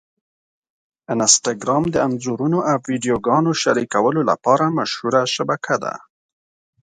انسټاګرام د انځورونو او ویډیوګانو شریکولو لپاره مشهوره شبکه ده.